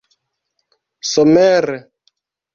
somere